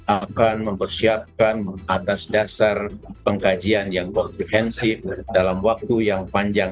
akan mempersiapkan atas dasar pengkajian yang komprehensif dalam waktu yang panjang